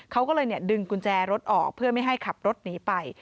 เขาก็เลยดึงกุญแจรถออกเพื่อไม่ให้ขับรถหนีไป